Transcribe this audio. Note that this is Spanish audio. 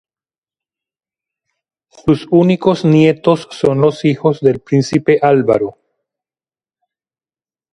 Sus únicos nietos son los hijos del príncipe Álvaro.